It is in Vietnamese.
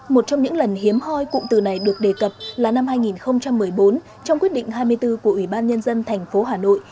một trong những lần hiếm hoi cụm từ này được đề cập là năm hai nghìn một mươi bốn trong quyết định hai mươi bốn của ủy ban nhân dân tp hcm